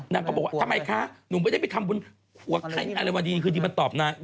ก็บอกว่าทำไมคะหนูไม่ได้ไปทำบุญหัวใครอะไรวะดีคือดีมันตอบนาง